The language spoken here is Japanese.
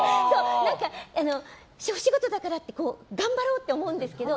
お仕事だからって頑張ろうって思うんですけど